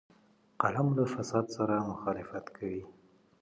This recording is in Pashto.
قلم له فساد سره مخالفت کوي